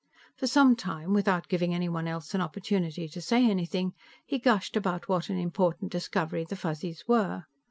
For some time, without giving anyone else an opportunity to say anything, he gushed about what an important discovery the Fuzzies were.